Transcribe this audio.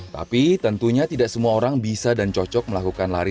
tapi tentunya tidak semua orang bisa dan cocok melakukan lari